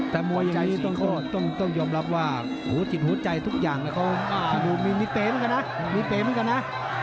แต่มวยอย่างนี้ต้องยอมรับว่าหัวจิตหัวใจทุกอย่างมีเต๋เหมือนกันนะ